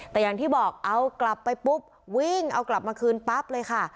แต่อย่างที่บอกเอากลับไปปุ๊บวิ่งเอากลับมาคืนปั๊บเลยค่ะ